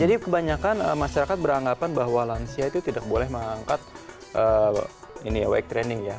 jadi kebanyakan masyarakat beranggapan bahwa lansia itu tidak boleh mengangkat weight training ya